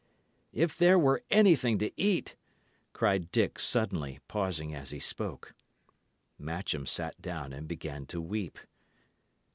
"If there were anything to eat!" cried Dick, suddenly, pausing as he spoke. Matcham sat down and began to weep.